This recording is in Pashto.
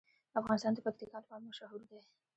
افغانستان د پکتیکا لپاره مشهور دی.